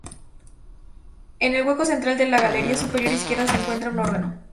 En el hueco central de la galería superior izquierda se encuentra un órgano.